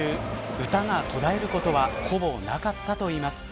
歌が途絶えることはほぼ、なかったといいます。